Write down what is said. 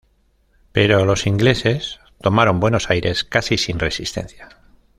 Pero los ingleses tomaron Buenos Aires casi sin resistencia.